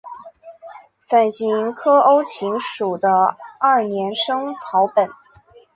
伞形科欧芹属的二年生草本。